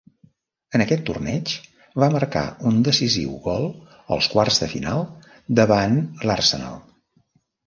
En aquest torneig va marcar un decisiu gol als quarts de final davant l'Arsenal.